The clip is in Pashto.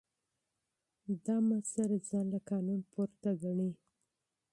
دا مشر ځان له قانون پورته ګڼي.